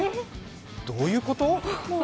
どういうこと？